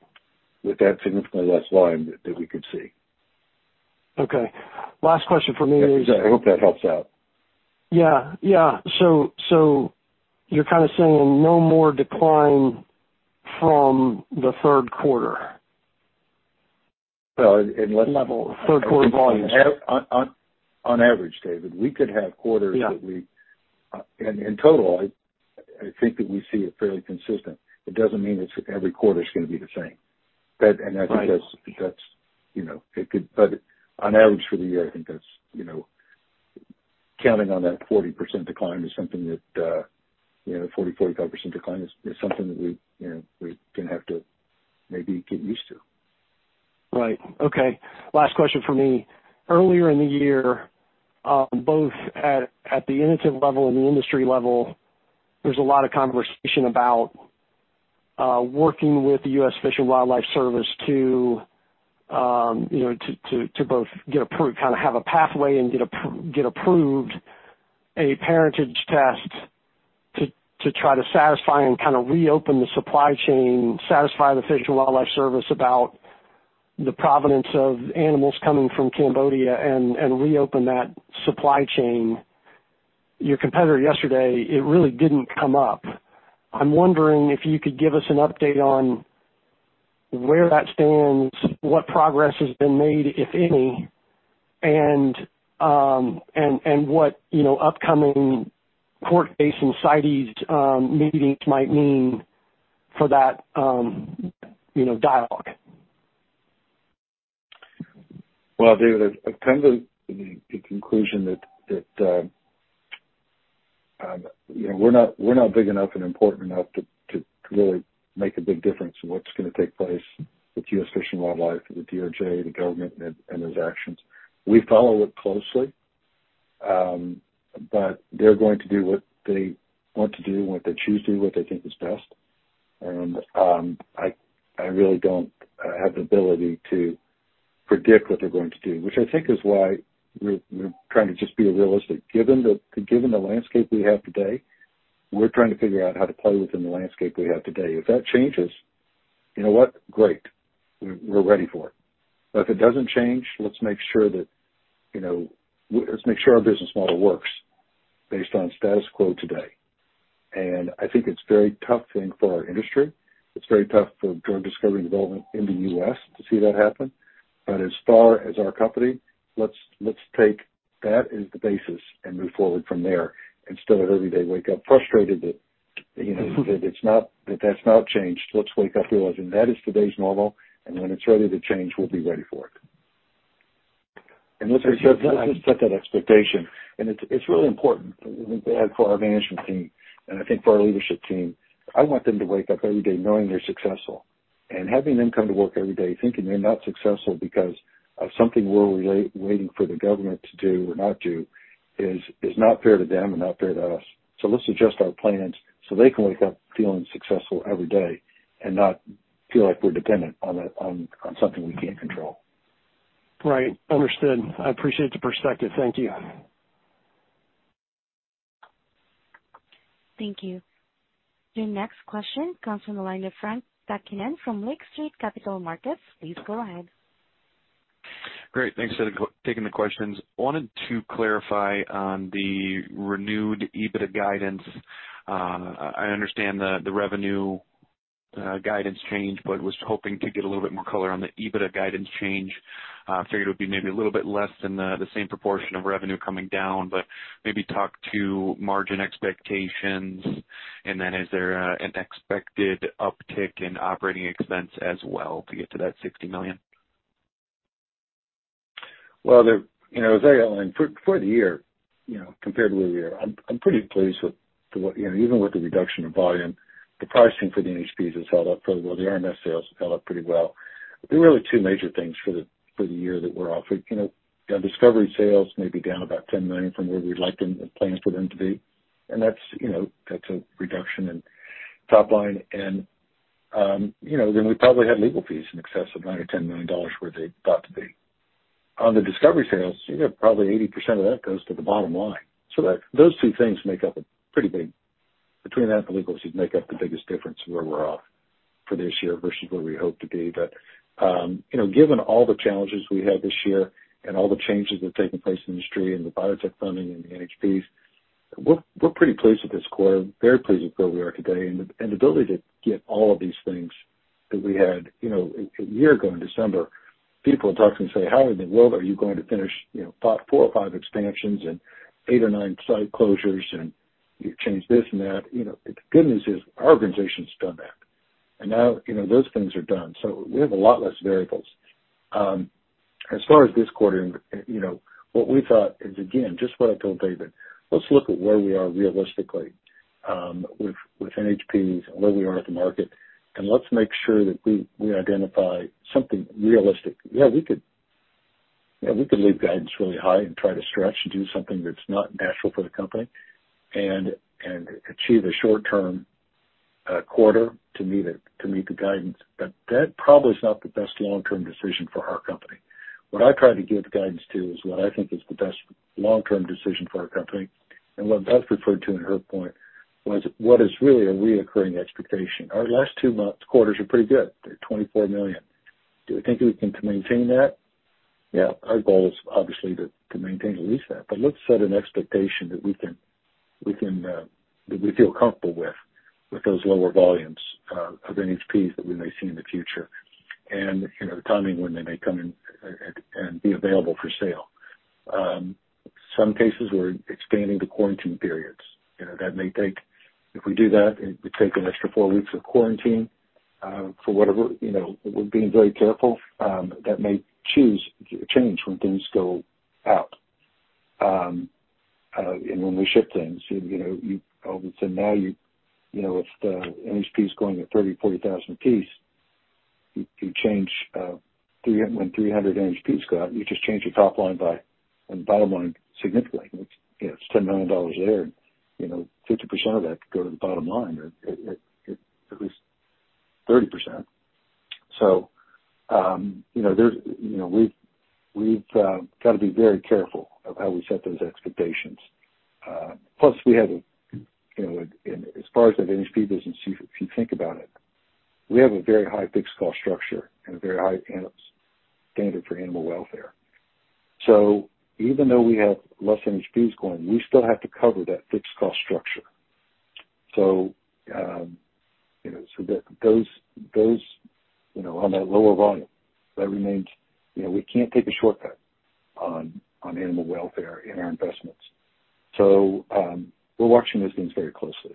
with that significantly less volume that, that we could see. Okay. Last question for me. I hope that helps out. Yeah. Yeah. You're kind of saying no more decline from the third quarter? Well, unless- Level, third quarter volume. On average, Dave, we could have quarters- Yeah. that we. In total, I think that we see it fairly consistent. It doesn't mean it's, every quarter is going to be the same. That, and that's. Right. That's, you know, it could, but on average for the year, I think that's, you know, counting on that 40% decline is something that, you know, 40%-45% decline is, is something that we, you know, we are gonna have to maybe get used to. Right. Okay. Last question for me. Earlier in the year, both at, at the Inotiv level and the industry level, there's a lot of conversation about working with the U.S. Fish and Wildlife Service to, you know, to, to, to both get approved, kind of have a pathway and get approved a parentage test to, to try to satisfy and kind of reopen the supply chain, satisfy the U.S. Fish and Wildlife Service about the provenance of animals coming from Cambodia and, and reopen that supply chain. Your competitor yesterday, it really didn't come up. I'm wondering if you could give us an update on where that stands, what progress has been made, if any, and, and what, you know, upcoming court cases, CITES, meetings might mean for that, you know, dialogue? Well, Dave, I've come to the conclusion that, you know, we're not, we're not big enough and important enough to really make a big difference in what's gonna take place with U.S. Fish and Wildlife, with the DOJ, the government and those actions. We follow it closely, they're going to do what they want to do, what they choose to do, what they think is best. I really don't have the ability to predict what they're going to do, which I think is why we're trying to just be realistic. Given the landscape we have today, we're trying to figure out how to play within the landscape we have today. If that changes, you know what? Great! We're ready for it. If it doesn't change, let's make sure that, you know, let's make sure our business model works based on status quo today. I think it's a very tough thing for our industry. It's very tough for drug discovery and development in the U.S. to see that happen. As far as our company, let's, let's take that as the basis and move forward from there. Instead of every day wake up frustrated that, you know, that it's not, that that's not changed. Let's wake up realizing that is today's normal, and when it's ready to change, we'll be ready for it. Let's just set that expectation. It's, it's really important for our management team and I think for our leadership team. I want them to wake up every day knowing they're successful. Having them come to work every day thinking they're not successful because of something we're waiting for the government to do or not do, is not fair to them and not fair to us. Let's adjust our plans so they can wake up feeling successful every day and not feel like we're dependent on something we can't control. Right. Understood. I appreciate the perspective. Thank you. Thank you. Your next question comes from the line of Frank Takkinen from Lake Street Capital Markets. Please go ahead. Great, thanks for taking the questions. Wanted to clarify on the renewed EBITDA guidance. I understand the revenue guidance change, but was hoping to get a little bit more color on the EBITDA guidance change. I figured it would be maybe a little bit less than the same proportion of revenue coming down, but maybe talk to margin expectations, and then is there an expected uptick in operating expenses as well to get to that $60 million? Well, the, you know, as I outlined for, for the year, you know, compared to where we were, I'm, I'm pretty pleased with what, you know, even with the reduction in volume, the pricing for the NHPs has held up pretty well. The RMS sales held up pretty well. There were really two major things for the, for the year that we're off. You know, discovery sales may be down about $10 million from where we'd like them, and planned for them to be. That's, you know, that's a reduction in top line. You know, then we probably had legal fees in excess of $9 million or $10 million where they thought to be. On the discovery sales, you know, probably 80% of that goes to the bottom line. That, those two things make up a pretty big... Between that and the legals, you'd make up the biggest difference where we're off for this year versus where we hoped to be. You know, given all the challenges we had this year and all the changes that have taken place in the industry and the biotech funding and the NHPs, we're, we're pretty pleased with this quarter, very pleased with where we are today and the, and the ability to get all of these things that we had, you know, a year ago in December. People would talk to me and say, "How in the world are you going to finish, you know, four or five expansions and eight or nine site closures, and you've changed this and that?" You know, the good news is, our organization's done that, and now, you know, those things are done, so we have a lot less variables. As far as this quarter, you know, what we thought is, again, just what I told Dave Windley, let's look at where we are realistically with NHPs and where we are at the market, and let's make sure that we, we identify something realistic. Yeah, we could, yeah, we could leave guidance really high and try to stretch and do something that's not natural for the company and, and achieve a short-term quarter to meet it, to meet the guidance, but that probably is not the best long-term decision for our company. What I try to give guidance to is what I think is the best long-term decision for our company. What Beth referred to in her point was what is really a reoccurring expectation. Our last two months quarters are pretty good. They're $24 million. Do we think we can maintain that? Yeah. Our goal is obviously to, to maintain at least that, but let's set an expectation that we can, we can, that we feel comfortable with, with those lower volumes of NHPs that we may see in the future, and, you know, the timing when they may come in and, and be available for sale. Some cases we're expanding the quarantine periods, you know, that may take... If we do that, it could take an extra four weeks of quarantine, for whatever, you know, we're being very careful, that may choose- change when things go out, and when we ship things, you know, you obviously now, you, you know, if the NHP is going at $30,000-$40,000 a piece, you, you change, 300, when 300 NHPs go out, you just change the top line by, and bottom line significantly. It's, you know, it's $10 million there, you know, 50% of that could go to the bottom line, or at least 30%. You know, there's, you know, we've, we've, got to be very careful of how we set those expectations. Plus, we have a, you know, as far as the NHP business, if you think about it, we have a very high fixed cost structure and a very high standard for animal welfare. Even though we have less NHPs going, we still have to cover that fixed cost structure. You know, so that those, those, you know, on that lower volume, that remains, you know, we can't take a shortcut on, on animal welfare in our investments. We're watching those things very closely.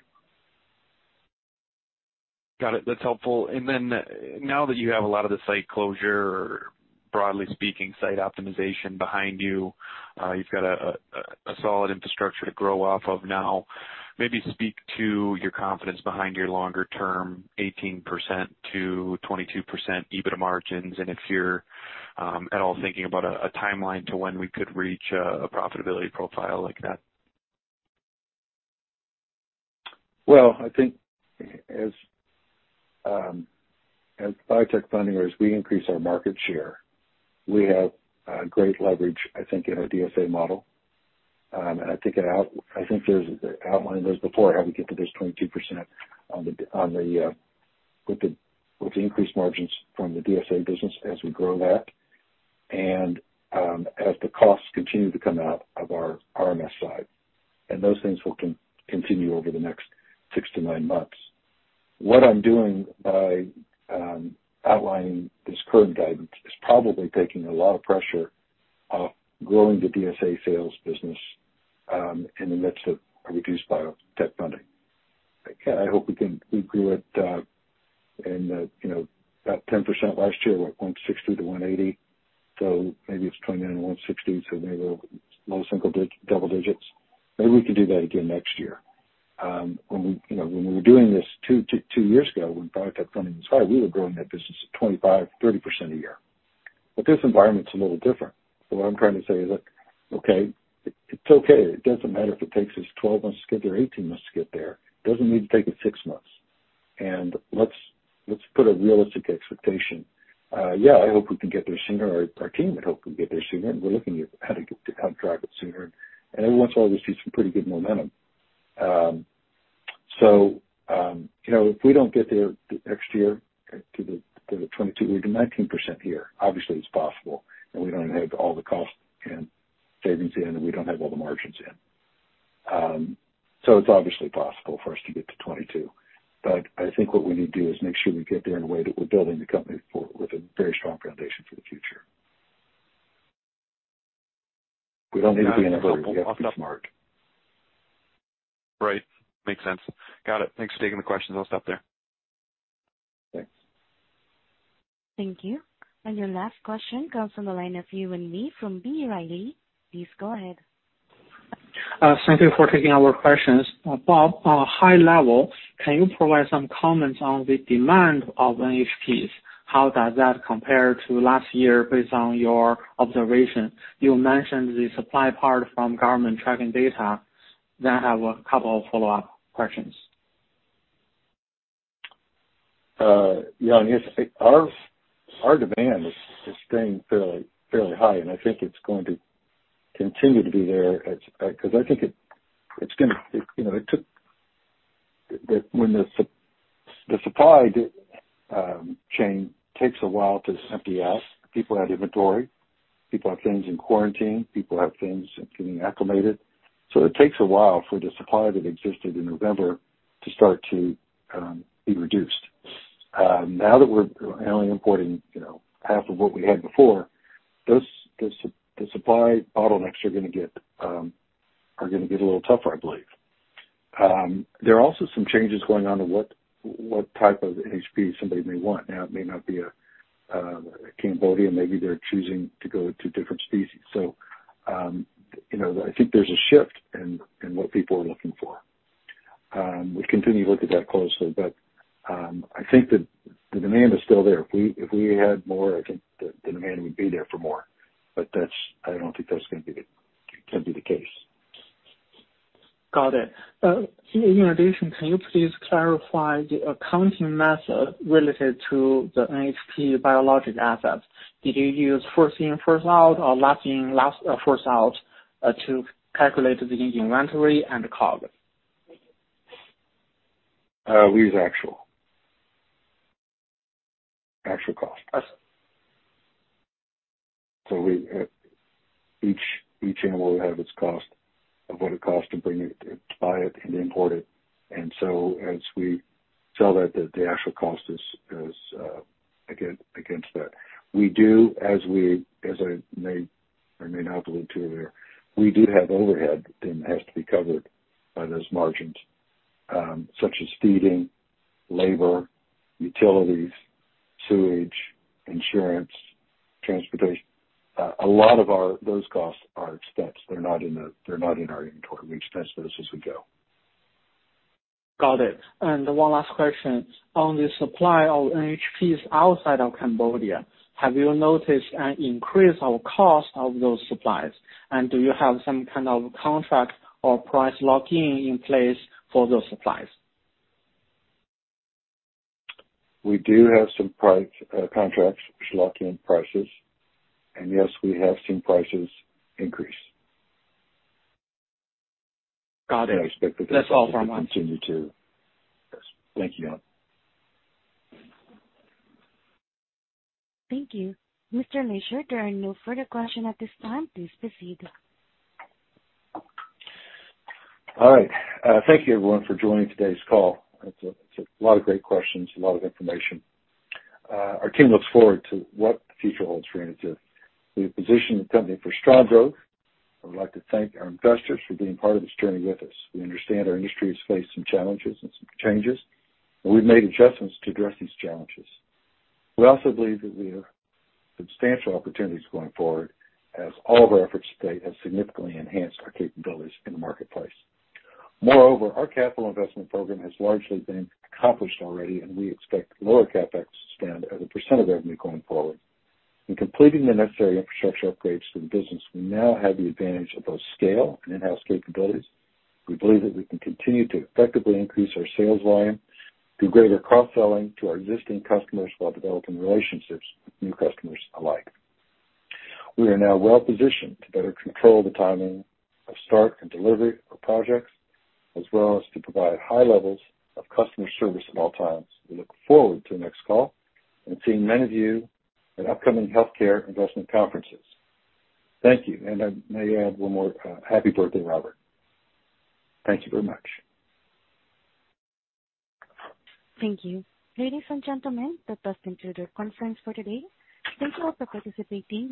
Got it. That's helpful. Now that you have a lot of the site closure, broadly speaking, site optimization behind you, you've got a, a, a solid infrastructure to grow off of now. Maybe speak to your confidence behind your longer term, 18%-22% EBITDA margins, and if you're at all thinking about a, a timeline to when we could reach a, a profitability profile like that? Well, I think as, as biotech funding, or as we increase our market share, we have a great leverage, I think, in our DSA model. And I think it out- I think there's outlined this before, how we get to this 22% on the, on the, with the, with the increased margins from the DSA business as we grow that. As the costs continue to come out of our RMS side, and those things will continue over the next six to nine months. What I'm doing by, outlining this current guidance is probably taking a lot of pressure off growing the DSA sales business, in the midst of a reduced biotech funding. Again, I hope we can, we grew it, and, you know, about 10% last year, went from 60-180, so maybe it's 29-160. So maybe low single-double digits. Maybe we could do that again next year. When we, you know, when we were doing this two years ago, when biotech funding was high, we were growing that business at 25%, 30% a year. This environment's a little different. What I'm trying to say is, look, okay, it's okay. It doesn't matter if it takes us 12 months to get there, or 18 months to get there. It doesn't need to take it six months. Let's, let's put a realistic expectation. Yeah, I hope we can get there sooner. Our team would hope we get there sooner, and we're looking at how to get to contract it sooner. Every once in a while, we see some pretty good momentum. you know, if we don't get there next year to the, to the 22%, we did 19% here, obviously it's possible, and we don't have all the cost and savings in, and we don't have all the margins in. It's obviously possible for us to get to 22%, I think what we need to do is make sure we get there in a way that we're building the company for with a very strong foundation for the future. We don't need to be in a hurry. Right. Makes sense. Got it. Thanks for taking the questions. I'll stop there. Thanks. Thank you. Your last question comes from the line of Yuan Zhi, from B. Riley. Please go ahead. Thank you for taking our questions. Bob, high level, can you provide some comments on the demand of NHPs? How does that compare to last year based on your observation? You mentioned the supply part from government tracking data, then I have a couple of follow-up questions. Yeah, our, our demand is, is staying fairly, fairly high, and I think it's going to continue to be there. 'Cause I think it, it's gonna, you know, it took... The, the, when the sup- the supply chain takes a while to empty out. People have inventory. People have things in quarantine. People have things getting acclimated. So it takes a while for the supply that existed in November to start to be reduced. Now that we're only importing, you know, half of what we had before, those, the s- the supply bottlenecks are gonna get are gonna get a little tougher, I believe. There are also some changes going on to what, what type of NHP somebody may want. Now, it may not be a, a Cambodian, maybe they're choosing to go to different species. You know, I think there's a shift in, in what people are looking for. We continue to look at that closely, but, I think that the demand is still there. If we, if we had more, I think the, the demand would be there for more, but that's, I don't think that's gonna be the, gonna be the case. Got it. In addition, can you please clarify the accounting method related to the NHP biologic assets? Did you use first-in, first-out or last-in, first-out to calculate the inventory and the COGS? We use actual. Actual cost. I see. We, each, each animal will have its cost of what it costs to bring it, to buy it and import it. As we sell that, the, the actual cost is, is, again, against that. We do, as we, as I may, I may not have alluded to earlier, we do have overhead and has to be covered by those margins, such as feeding, labor, utilities, sewage, insurance, transportation. A lot of our, those costs are expense. They're not in the, they're not in our inventory. We expense those as we go. Got it. One last question. On the supply of NHPs outside of Cambodia, have you noticed an increase of cost of those supplies? Do you have some kind of contract or price lock-in in place for those supplies? We do have some price, contracts, which lock in prices. Yes, we have seen prices increase. Got it. I expect. That's all for me. Continue to... Thank you. Thank you. Mr. Leasure, there are no further question at this time. Please proceed. All right. Thank you everyone for joining today's call. It's a lot of great questions, a lot of information. Our team looks forward to what the future holds for Inotiv. We've positioned the company for strong growth. I would like to thank our investors for being part of this journey with us. We understand our industry has faced some challenges and some changes. We've made adjustments to address these challenges. We also believe that we have substantial opportunities going forward, as all of our efforts to date have significantly enhanced our capabilities in the marketplace. Moreover, our capital investment program has largely been accomplished already, and we expect lower CapEx to stand as a % of revenue going forward. In completing the necessary infrastructure upgrades for the business, we now have the advantage of both scale and in-house capabilities. We believe that we can continue to effectively increase our sales volume through greater cross-selling to our existing customers while developing relationships with new customers alike. We are now well positioned to better control the timing of start and delivery of projects, as well as to provide high levels of customer service at all times. We look forward to the next call and seeing many of you at upcoming healthcare investment conferences. Thank you, and I may add one more. Happy birthday, Robert. Thank you very much. Thank you. Ladies and gentlemen, that does conclude our conference for today. Thank you all for participating.